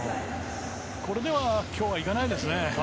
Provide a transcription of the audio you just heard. これでは、今日はいかないですね。